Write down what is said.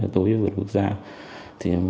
tối với vượt quốc gia mang tính phối hợp